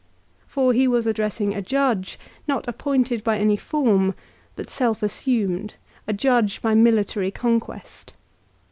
For he was addressing a judge, not appointed by any form, but self assumed, a judge by military conquest.